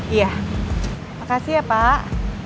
iya makasih ya pak